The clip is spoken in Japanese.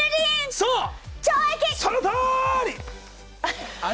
そのとおり！